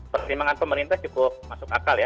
pertimbangan pemerintah cukup masuk akal ya